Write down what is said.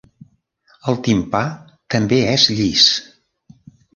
El timpà també és llis.